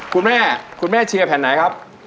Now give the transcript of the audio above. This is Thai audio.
คุณแม่คุณแม่เชียร์แผ่นไหนครับ